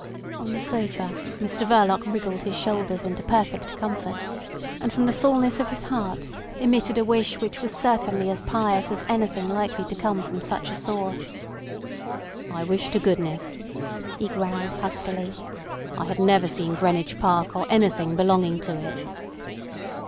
On the sofa Mr Verloc wriggled his shoulders into perfect comfort, and from the fulness of his heart emitted a wish which was certainly as pious as anything likely to come from such a source. "I wish to goodness," he growled huskily, "I had never seen Greenwich Park or anything belonging to it."